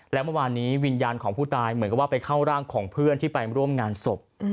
แล้วเมื่อวานนี้วิญญาณของผู้ตายเหมือนกับว่าไปเข้าร่างของเพื่อนที่ไปร่วมงานศพ